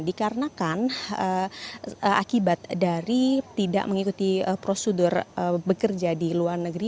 dan mengenakan akibat dari tidak mengikuti prosedur bekerja di luar negeri